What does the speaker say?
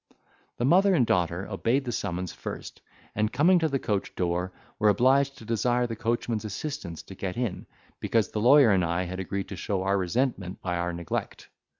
The mother and daughter obeyed the summons first, and, coming to the coach door, were obliged to desire the coachman's assistance to get in, because the lawyer and I had agreed to show our resentment by our neglect.